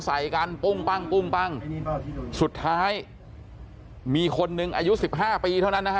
ใส่กันปุ้งปั้งปุ้งปั้งสุดท้ายมีคนหนึ่งอายุสิบห้าปีเท่านั้นนะฮะ